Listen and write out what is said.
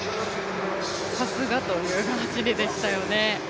さすがという走りでしたよね。